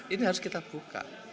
ini harus kita buka